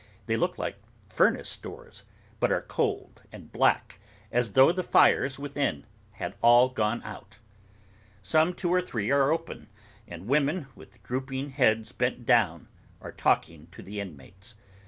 They look like furnace doors, but are cold and black, as though the fires within had all gone out. Some two or three are open, and women, with drooping heads bent down, are talking to the inmates.